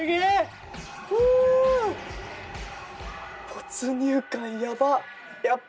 没入感やばっ！